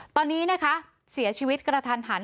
ตอนนี้นะคะเสียชีวิตกระทันหัน